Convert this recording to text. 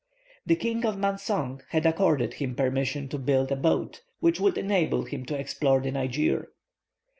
The King of Mansong had accorded him permission to build a boat, which would enable him to explore the Niger.